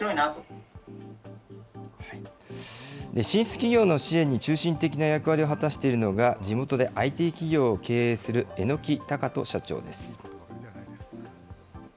進出企業の支援に中心的な役割を果たしているのが、地元でＩＴ企業を経営する榎崇斗社長です。